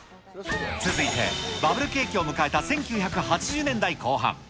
続いてバブル景気を迎えた１９８０年代後半。